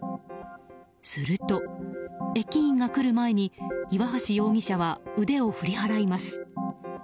すると、駅員が来る前に岩橋容疑者は腕を振り払います。